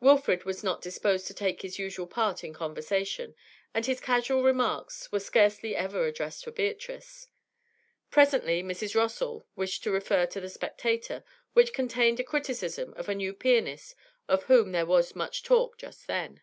Wilfrid was not disposed to take his usual part in conversation, and his casual remarks were scarcely ever addressed to Beatrice. Presently Mrs. Rossall wished to refer to the 'Spectator,' which contained a criticism of a new pianist of whom there was much talk just then.